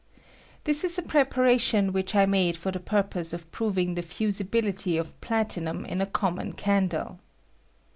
This is a preparation which I made for the purpose of proving the fusibil ity of platinum in a common candle.